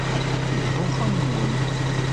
Yelha uxxam-nwent.